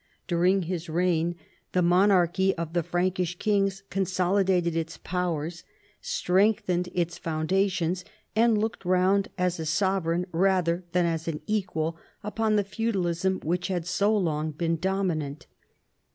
During his reign the monarchy of the Frankish kings consolidated its powers, strengthened its foundations, and looked round as a sovereign rather than as an equal upon the feudalism which had so long been dominant.